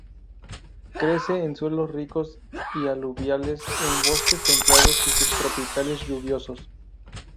Crece en suelos ricos y aluviales en bosques templados y subtropicales lluviosos.